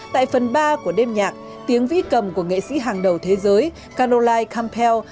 tại phần ba của đêm nhạc tiếng vĩ cầm của nghệ sĩ hàng đầu thế giới canolai kempealth